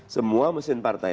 semua mesin partai